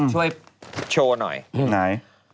ช่วยโชว์หน่อยไหน